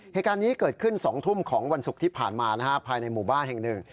เหตุการณ์นี้เกิดขึ้น๒ทุ่มของวันศุกร์ที่ผ่านมาภายในหมู่บ้านแห่งหนึ่ง